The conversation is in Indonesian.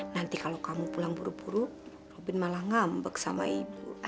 nanti kalau kamu pulang buru buru robin malah ngambek sama ibu